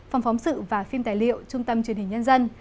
phòng phóng sự và phim tài liệu trung tâm truyền hình nhân dân